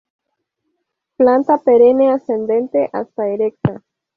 Planta perenne, ascendente hasta erecta.